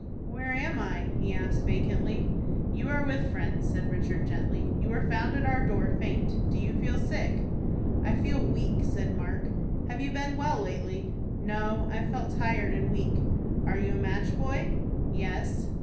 "Where am I?" he asked, vacantly. "You are with friends," said Richard, gently. "You were found at our door faint. Do you feel sick?" "I feel weak," said Mark. "Have you been well lately?" "No, I've felt tired and weak." "Are you a match boy?" "Yes."